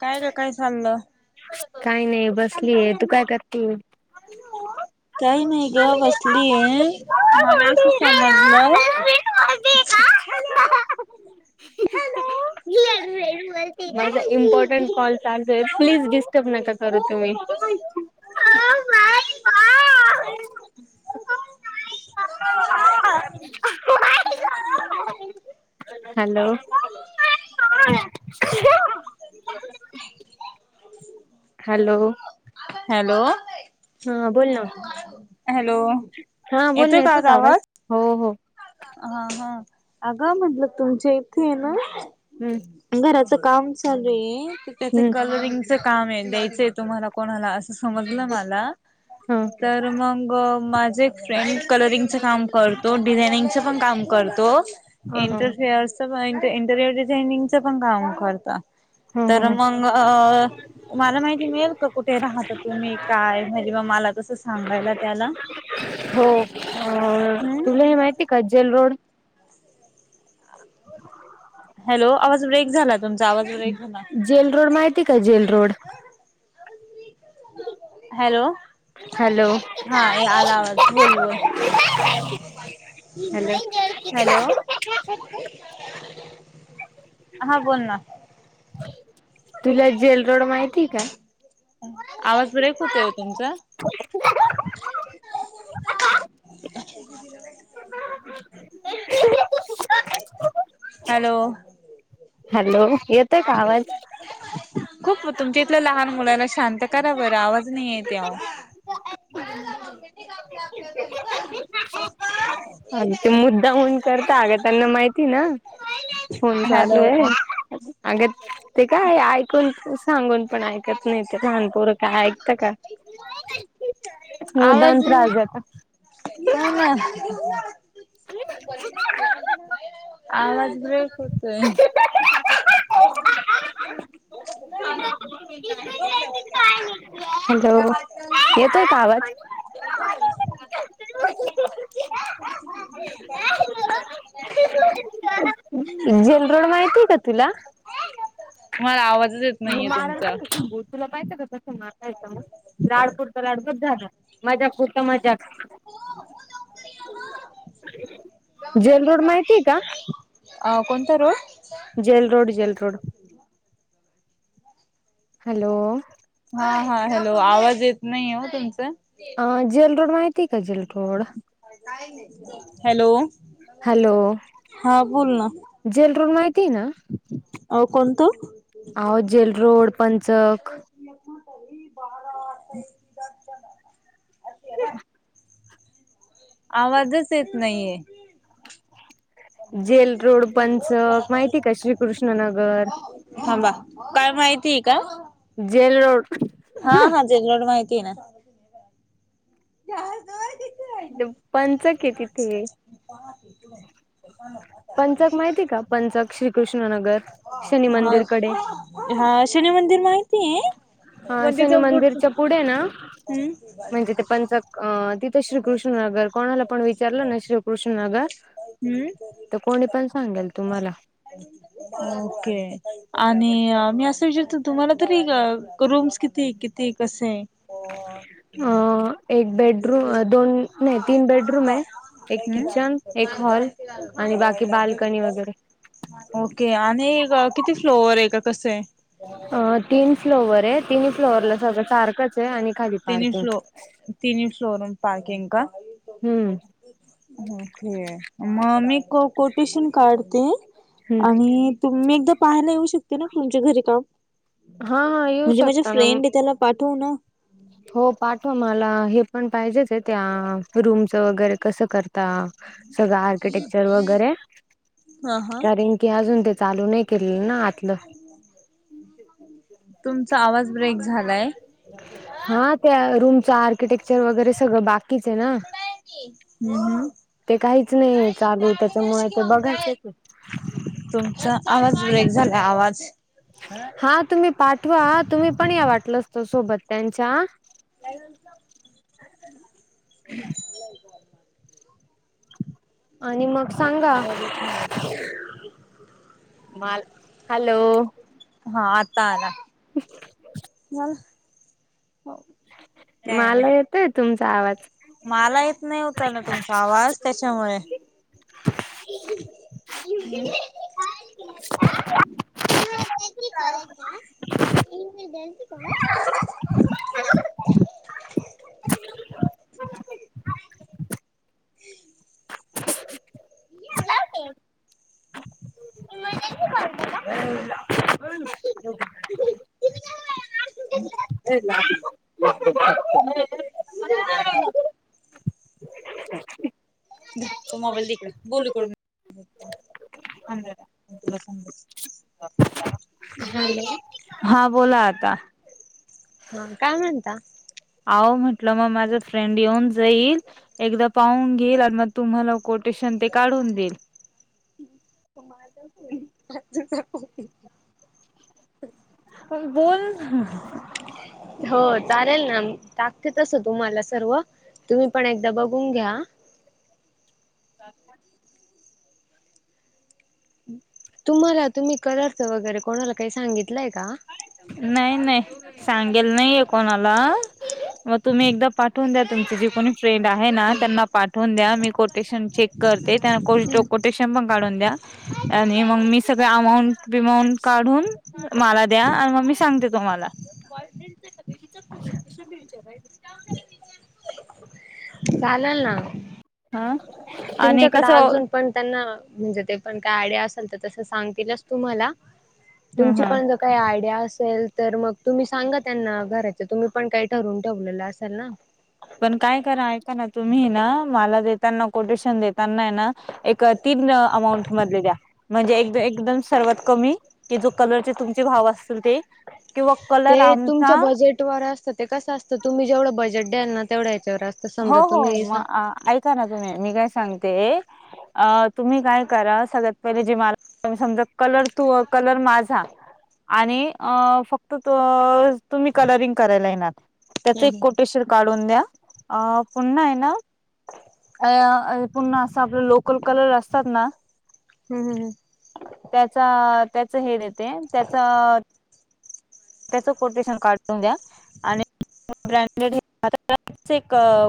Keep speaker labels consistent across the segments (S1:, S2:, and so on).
S1: काय रे काय चाललं [inaudible]
S2: काही नाही बसलीय तू काय करते [inaudible]
S1: [inaudible] काही नाही ग बसली आहे मला असं समजलं
S2: ळूळू [inaudible] माझा इम्पॉर्टंट कॉल चालत आहे प्लीज डिस्टर्ब नका करू तुम्ही [inaudible] [inaudible] हो नाही का [inaudible] हॅलो [inaudible] ह [inaudible] हॅलो
S1: [inaudible] हॅलो
S2: [inaudible] हा बोल ना
S1: [inaudible] हॅलो
S2: [inaudible] हा बोलल
S1: येतोय का
S2: येतो
S1: आज
S2: कावास
S1: आवाज?
S2: हो हो
S1: [inaudible] हा हा अगं म्हटलं तुमच्या इथे आहे ना
S2: [inaudible] हम्म
S1: घराच काम चालू आहे तर त्याच
S2: हम्म
S1: कलरिंग [inaudible] काम द्यायचय तुम्हाला कोणा अस समज मला
S2: हा
S1: [inaudible] तर मग माझे एक फ्रेंड कलरिंगच काम करतो डिझाइनिंग [inaudible] णतो [inaudible]
S2: हा हा
S1: इंेअ इंरिर डिझनंग [inaudible] पण काम करत
S2: हा
S1: [inaudible]
S2: हा
S1: तर
S2: हा
S1: मग अ मला माहिती मिळेल का कुठे राहत तुम्ही काय म्हणजे म मला तसं सांगायला त्याला [inaudible]
S2: [inaudible] हो
S1: हम्म
S2: तुला हे माहिती आहे का जेल रोड
S1: हॅलो आवाज ब्रेक झाला तुमचा आवाज ब्रेक झाला [inaudible]
S2: जेल रोड माहिती का जेल रोड [inaudible]
S1: [inaudible] हॅलो
S2: हॅलो
S1: हा आला आवाज बोल बोल हॅलो
S2: हॅलो
S1: हा बोल ना
S2: तुला जेल रोड माहितीय का
S1: आवाज ब्रेक होते हो तुमचा हॅलो
S2: हॅलो येतंय का आवाज
S1: खूप तुमच्या इथलं लहान मुलाला शांत करा बरं आवाज नाही येत ह
S2: अ ते मुद्दा होऊन करता अगं त्यांना माहिती ना फोन चालू
S1: हॅलो
S2: आहे अग ते काय ऐकून तू सांगून पण ऐकत नाही ते लहानपूर का ऐकत का मुद त्रास जात
S1: ह ना आवाज ब्रेक होत
S2: ह हॅलो येतोय का आवाज जेलरड माहिती आहे का तुला
S1: तु मला आवाजच येत
S2: म
S1: नाहीये तुमचा.
S2: माराय भो तुला पाहिजं का तस मारायचं मग लाडपूर लाडकत झाला मजा पुरत मजाक जेल रोड माहितीय का
S1: अ कोणत र
S2: jail road jail road hello
S1: हा हा हॅलो आवाज येत नाही हो तुमचां
S2: अ जेल रोड माहिती आहे का जेल रोड
S1: हॅलो
S2: हॅलो
S1: हा बोलोल ना
S2: जेल रोड माहिती आहे ना
S1: अ कोणतं?
S2: जेल रोड पंचक
S1: मोटली
S2: ह
S1: आवाजच येत नाहीये
S2: जेल रोड पंचक माहितीय का श्रीकृष्णनगर
S1: हां बा काय माहितीय का
S2: जेल रोड
S1: हा हा जेड माहिती आहे ना च
S2: पंचक आहे तिथे पंचक माहिती आहे का पंचक श्रीकृष्णनगर शनी
S1: हा
S2: मंदिरकडे
S1: हा शनी मंदिर माहिती आहे
S2: हा
S1: म तिथ
S2: शनी
S1: पुढच्
S2: मंदिरच्या पुढे ना
S1: बस
S2: म्हणजे ते पंच तिथं श्रीकृष्णनगर कोणाला पण विचारलं ना श्रीकृष्णनगर
S1: हम्
S2: तर कोणी पण सांगेल तुम्हाला
S1: अ ओके आणि मी असं विचारतो तुम्हाला तरी रूम्स किती. किती कसे आहे?
S2: अ एक बेडरूम दोन नाही तीन बेडरूम आहे. एक किचन एक हॉल आणि बाकी बाल्कनी वगैरे.
S1: ओके आणि किती फ्लोवर आहे का कस आहे.
S2: अ तीन फ्लोवरर आहे तिनही फ्लोवरला सगळं सार्कच आहे आणि खाली पार्किंग.
S1: तिन फ्लोरूम पार्किंग का
S2: हम्म
S1: ओके मग मी कोटेशन काढते
S2: हम्म
S1: आणि तुम्ही एकदा पाहायला येऊ शकते ना तुमच्या घरी काम
S2: हा हा येऊ
S1: म्हणजे माझ्या
S2: शकता ना
S1: फ्रेंड आहे त्याला पाठव ना
S2: हो पाठवा मला हे पण पाहिजेच आहे त्या रूमचं वगैरे कसं करता सगळं आर्किटेक्चर वगैरे
S1: हा हा
S2: कारण की अजून ते चालू नाही केलेलं ना आतलं
S1: तुमचा आवाज ब्रेक झालाय
S2: हा त्या रूमच आर्किटेक्चर वगैरे सगळं बाकीच आहे ना
S1: हम्म हम्म
S2: ते काहीच नाही चालू त्याच्यामुळे ते बघायच
S1: तुमचा आवाज ब्रेक झाला आवाज.
S2: हा तुम्ही पाठवा तुम्ही पण या वाटलच त सोबत त्यांच्या ह आणि मग सांगा
S1: आवाज येत नाहीये.
S2: म हॅलो
S1: हा आता आला मला काय
S2: मला येतय तुमचा आवाज
S1: मला येत नाही होत ना तुमचा आवाज त्याच्यामुळे हम्म
S2: काय
S1: इ म गलजिकम
S2: नाही त ब
S1: मोबाईल दे हिकडं बोलून
S2: अ हा बोला आता
S1: हा काय म्हणता
S2: आह म्हंटलं मग माझं फ्रेंड येऊन जाईल एकदा पाहून घेईल आणि मग तुम्हाला कोटेशन ते काढून देईल
S1: माझ
S2: बोल
S1: हो चालेल ना टाकते तस तुम्हाला सर्व तुम्ही पण एकदा बघून घ्या तुम्हाला तुम्ही कलर्स वगैरे कोणाला काही सांगितलंय का
S2: नाही नाही सांगेल नाहीय कोणाला मग तुम्ही एकदा पाठवून द्या तुमची जे कोणी फ्रेंड आहे ना त्यांना पाठवून द्या मी ेश चेक करतेो काून द्या आणि मग मी सग अऊंं काढून मला द्या आणि मग मी सांगते तुम्हाला च
S1: चालेल ना
S2: ह आणि
S1: तुमच्याकडे
S2: कसं
S1: अजून पण त्यांना म्हणजे ते पण काय आयडिया असेल तर तस सांगल तुम्हाला
S2: ह
S1: तुम
S2: ह
S1: पण काही आयडिया असेल तर मग तुम्ही सांगा त्यांना घराच तुम्ही पण काही ठरवून ठेवलेलं असाल ना
S2: पण काय करा ऐका ना तुम्ही ना मला देताना कोटेशन देत त्यांना ना एक तीन अमाऊंट मधले द्या म्हणजे एक एकदम सर्वात कमी की जो कलरचे तुमचे भाव असतील ते किंवा कलर आमचा
S1: व असत ते कसंत तुम् जवढं बजेट द्याल ना तेव्या याच्यावरत
S2: हो हो मग ऐका ना तुम्ही मी काय सांगते अ तुम्ही काय करा सगळ्यात पहिले जे मला समजा कलर तू कलर माझा आणि फक्त त तुम्ही कलरिंग करायला येणार त्याच एक
S1: हम्म
S2: कोटेशन काढून द्या अ पुन्हा आहे ना पुन असं आप लोकल कलर असतात ना
S1: हम हम हम
S2: त्याचा त्याच हे येते त्याच त्याच कोटेशन काढून द्या आणि ब्र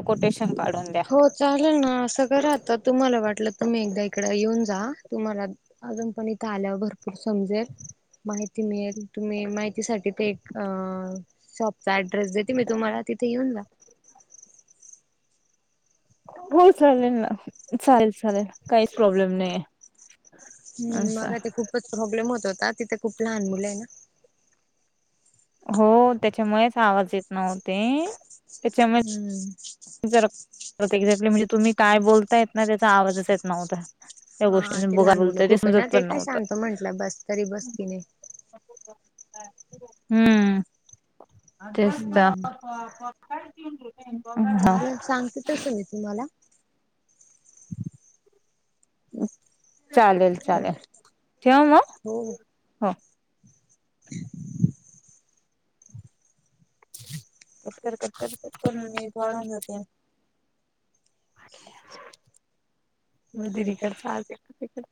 S2: कोटेशन काढून द्या
S1: चाले ना असं करा आता तुम्हाला वाटलं तुम्ही एकदा इकडे येऊन जा तुम्हाला अजून पण इथे आल्यावर भरपूर समजेल माहिती मिळेल तुम्ही माहिती ठी ते एक शॉपचा अऍड्रेस देते मी तुम्हाला तिथे येऊन जा
S2: हो चालेल ना चालेल चालेल काहीच प्रॉब्लेम नाहीे
S1: हम् मग ते खूपच प्रॉब्लेम होत होता तिथे खूप लहान मुलं आहे ना
S2: हो त्याच्यामुळेच आवाज येत नव्हते त्याच्यामुळे
S1: हम्म
S2: एक्झॅक्ली म्हणजे तुम्ही काय बोलता येत ना त्याचा आवाजच येत नव्हता त्या
S1: हा
S2: गोष्टीने
S1: ते
S2: बोगा
S1: लहान मुलं
S2: बोलतय
S1: होपे ना
S2: समजत
S1: ते
S2: पण
S1: काय
S2: नव्हतं.
S1: सांगतो म्हंटलं बस तरी बसकी नाही
S2: हम्म तेचत
S1: हम्म
S2: ह पकाळ ती रुपय
S1: चालेल सांगते तस मी तुम्हाला
S2: चालेल
S1: हो
S2: चालेल ठेव मग
S1: हो
S2: हो
S1: ह पटकन
S2: कटकर
S1: पटकन पटकन मिनिट
S2: कटकर
S1: वाढून
S2: प
S1: जातील
S2: वेरी
S1: दिदीकडे
S2: करता